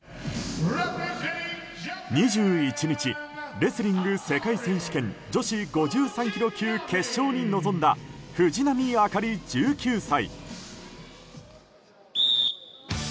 ２１日、レスリング世界選手権女子５３ｋｇ級決勝に臨んだ藤波朱理、１９歳。